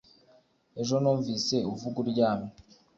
Ejo numvise uvuga uryamye